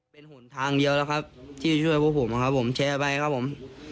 เป็นหนทางเดียวแล้วครับที่จะช่วยพวกผมครับผมแชร์ไปครับผม